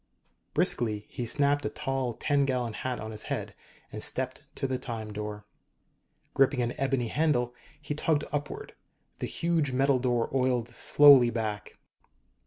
Briskly, he snapped a tall ten gallon hat on his head, and stepped to the Time Door. Gripping an ebony handle, he tugged upward. The huge metal door oiled slowly back.